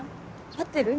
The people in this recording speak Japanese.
合ってる？